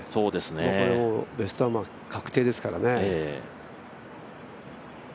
もうこれ、ベストアマ確定ですからね。